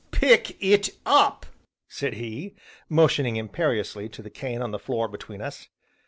"Pick it up!" said he, motioning imperiously to the cane on the floor between us.